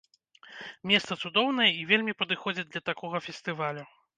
Месца цудоўнае і вельмі падыходзіць для такога фестывалю!